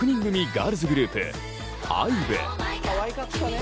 ガールズグループＩＶＥ。